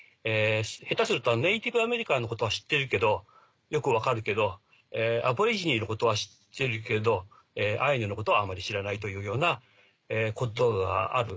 下手するとネイティブ・アメリカンのことは知ってるけどよく分かるけどアボリジニのことは知ってるけどアイヌのことはあまり知らないというようなことがある。